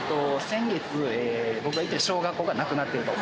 先月僕が行っていた小学校がなくなってると。